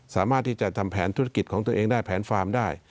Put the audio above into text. สามารถที่จะทำแผนธุรกิจของตัวเองได้แผนฟาร์มได้